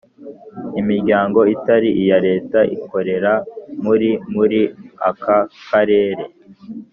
Imiryango itari iya Leta ikorera muri muri aka karere